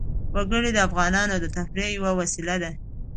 وګړي د افغانانو د تفریح یوه وسیله ده.